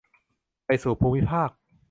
ไปสู่ภูมิภาค